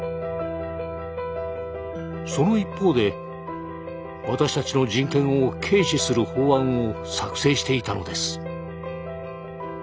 その一方で私たちの人権を軽視する法案を作成していたのです。